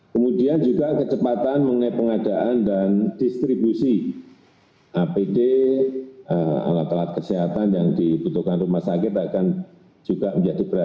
kemudian juga kecepatan mengenai pengadaan dan distribusi apd alat alat kesehatan yang dibutuhkan rumah sakit akan juga menjadi perhatian